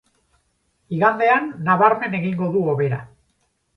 Igandean nabarmen egingo du hobera.